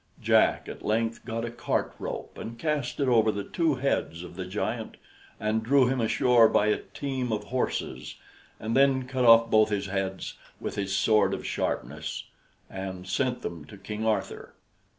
Jack at length got a cart rope and cast it over the two heads of the giant and drew him ashore by a team of horses, and then cut off both his heads with his sword of sharpness, and sent them to King Arthur.